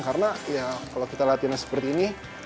karena ya kalau kita latihannya seperti ini